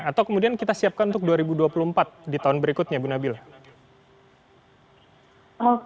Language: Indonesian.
atau kemudian kita siapkan untuk dua ribu dua puluh empat di tahun berikutnya bu nabila